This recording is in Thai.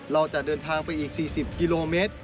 เราจะเดินทางไปอีก๔๐กิโลเมตร